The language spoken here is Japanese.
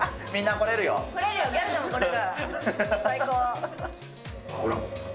来れるよ、ギャルでも来れる。